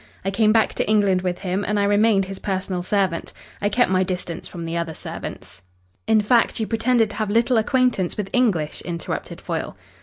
I came back to England with him, and I remained his personal servant. I kept my distance from the other servants." "In fact, you pretended to have little acquaintance with English?" interrupted Foyle.